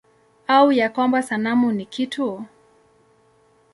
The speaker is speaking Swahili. Au ya kwamba sanamu ni kitu?